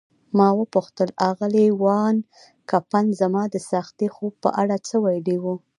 ما وپوښتل: آغلې وان کمپن زما د څاښتي خوب په اړه څه ویلي وو؟